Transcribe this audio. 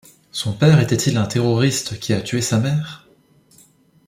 Son père était-il un terroriste qui a tué sa mère?